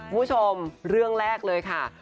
คุณผู้ชมเรื่องแรกเลยค่ะ